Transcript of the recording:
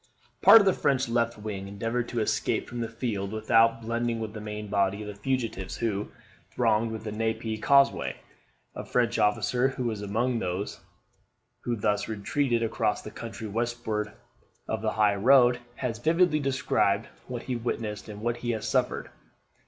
Part of the French left wing endeavoured to escape from the field without blending with the main body of the fugitives who thronged the Genappe causeway. A French officer, who was among those who thus retreated across the country westward of the high road, has vividly described what he witnessed and what he suffered.